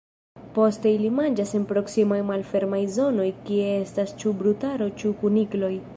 Poste ili manĝas en proksimaj malfermaj zonoj kie estas ĉu brutaro ĉu kunikloj.